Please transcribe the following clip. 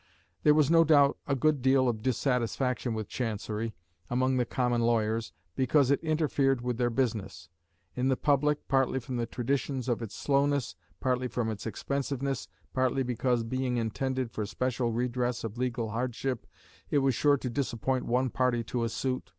There was no doubt a good deal of dissatisfaction with Chancery among the common lawyers, because it interfered with their business; in the public, partly from the traditions of its slowness, partly from its expensiveness, partly because, being intended for special redress of legal hardship, it was sure to disappoint one party to a suit.